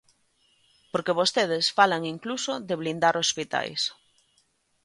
Porque vostedes falan incluso de blindar hospitais.